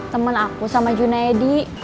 temen aku sama junaedi